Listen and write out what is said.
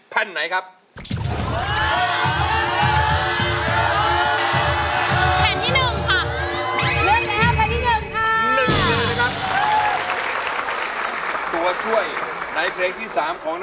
ต้องได้จากทุกคน